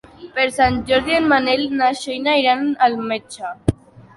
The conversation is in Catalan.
Per Sant Jordi en Manel i na Xènia iran al metge.